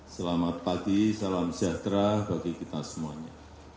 selamat pagi salam sejahtera bagi kita semuanya